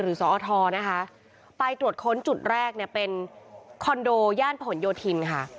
หรือศอทนะคะไปตรวจค้นจุดแรกเป็นคอนโดย่านผลโยธินค่ะ